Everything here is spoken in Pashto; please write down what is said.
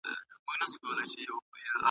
هوږه باید د رژیم برخه شي.